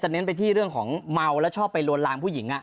เน้นไปที่เรื่องของเมาแล้วชอบไปลวนลามผู้หญิง